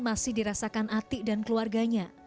masih dirasakan ati dan keluarganya